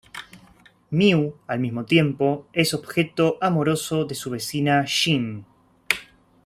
Mew, al mismo tiempo, es objeto amoroso de su vecina Ying.